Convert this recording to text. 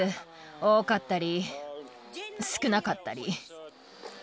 多かったり、少なかったり。